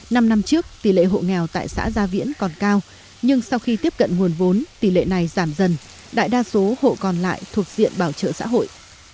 năm năm trước tỷ lệ hộ nghèo tại xã gia viễn còn cao nhưng sau khi tiếp cận nguồn vốn tỷ lệ này giảm dần đại đa số hộ còn lại thuộc diện bảo trợ xã hội